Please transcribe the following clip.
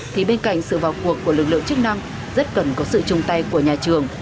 thì bên cạnh sự vào cuộc của lực lượng chức năng rất cần có sự chung tay của nhà trường